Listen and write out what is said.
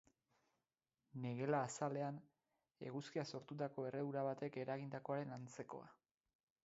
Negela azalean, eguzkiak sortutako erredura batek eragindakoaren antzekoa.